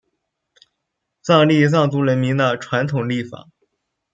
藏历藏族人民的传统历法。